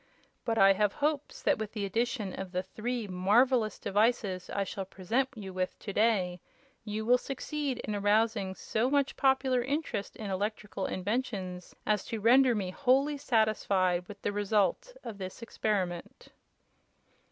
But I have hopes that with the addition of the three marvelous devices I shall present you with to day you will succeed in arousing so much popular interest in electrical inventions as to render me wholly satisfied with the result of this experiment."